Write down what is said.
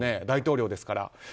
大統領ですから。